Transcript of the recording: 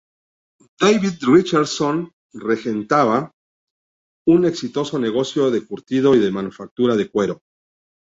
David Richardson regentaba un exitoso negocio de curtido y de manufactura de cuero.